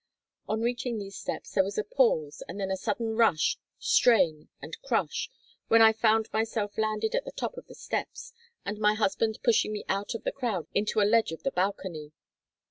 On reaching these steps there was a pause and then a sudden rush, strain, and crush, when I found myself landed at the top of the steps, and my husband pushing me out of the crowd into a ledge of the balcony.